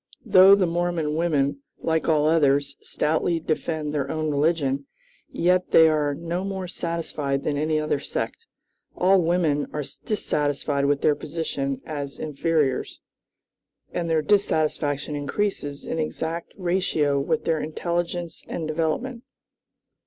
Though the Mormon women, like all others, stoutly defend their own religion, yet they are no more satisfied than any other sect. All women are dissatisfied with their position as inferiors, and their dissatisfaction increases in exact ratio with their intelligence and development.